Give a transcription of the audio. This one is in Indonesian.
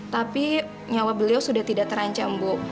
tapi nyawa beliau sudah tidak terancam bu